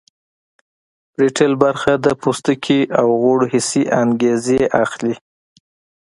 پریټل برخه د پوستکي او غړو حسي انګیزې اخلي